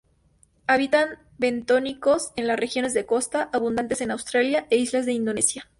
Habitan bentónicos en las regiones de costa, abundantes en Australia e islas de Indonesia.